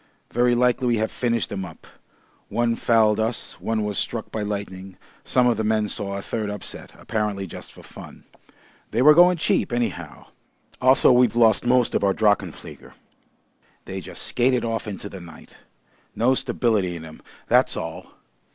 Very likely we have finished 'em up. One fouled us, one was struck by lightning, some of the men saw a third upset, apparently just for fun. They were going cheap anyhow. Also we've lost most of our drachenflieger. They just skated off into the night. No stability in 'em. That's all.